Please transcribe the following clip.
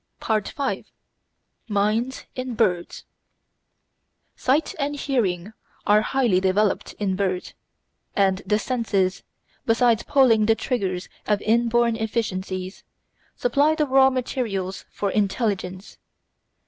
§ 5 Mind in Birds Sight and hearing are highly developed in birds, and the senses, besides pulling the triggers of inborn efficiencies, supply the raw materials for intelligence.